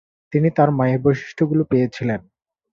তিনি তার মায়ের বৈশিষ্ট্যগুলি পেয়েছিলেন।